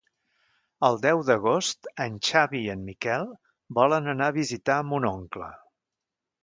El deu d'agost en Xavi i en Miquel volen anar a visitar mon oncle.